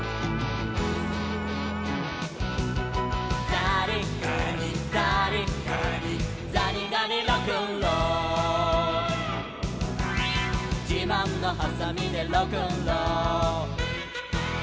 「ざりがにざりがにざりがにロックンロール」「じまんのはさみでロックンロール」